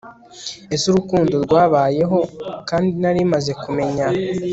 ese urukundo rwabayeho, kandi nari maze kumenya ..